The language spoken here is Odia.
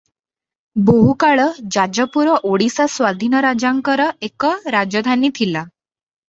ବହୁକାଳ ଯାଜପୁର ଓଡ଼ିଶା ସ୍ୱାଧୀନରାଜାଙ୍କର ଏକ ରାଜଧାନୀ ଥିଲା ।